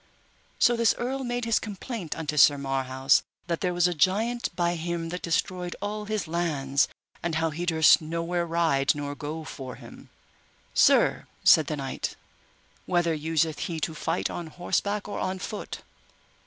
So this earl made his complaint unto Sir Marhaus, that there was a giant by him that destroyed all his lands, and how he durst nowhere ride nor go for him. Sir, said the knight, whether useth he to fight on horseback or on foot?